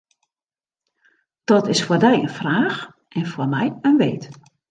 Dat is foar dy in fraach en foar my in weet.